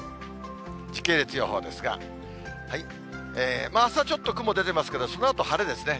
時系列予報ですが、あすはちょっと雲出てますけれども、そのあと晴れですね。